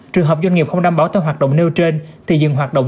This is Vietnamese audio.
trường hợp doanh nghiệp không đảm bảo theo hoạt động nêu trên thì dừng hoạt động